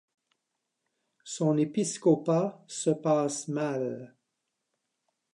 Son épiscopat se passe mal.